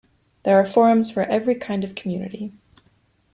There are forums for every kind of community.